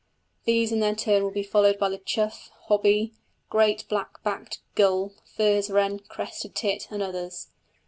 These in their turn will be followed by the chough, hobby, great black backed gull, furze wren, crested tit, and others.